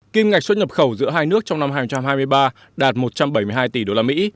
kim ngạch xuất nhập khẩu giữa hai nước trong năm hai nghìn hai mươi ba đạt một trăm bảy mươi hai tỷ usd